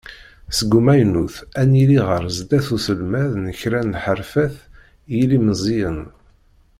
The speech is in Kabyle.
Seg umaynut, ad n-yili ɣer sdat uselmed n kra n lḥerfat i yilemẓiyen.